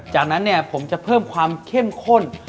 จากนั้นเนี่ยผมจะเพิ่มความเข้มข้น